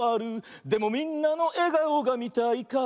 「でもみんなのえがおがみたいから」